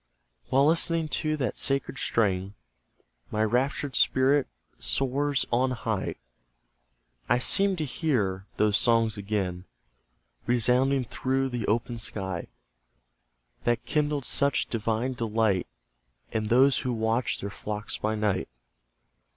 While listening to that sacred strain, My raptured spirit soars on high; I seem to hear those songs again Resounding through the open sky, That kindled such divine delight, In those who watched their flocks by night.